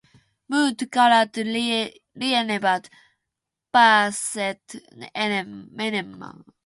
Muut kalat lienevät päässeet menemään.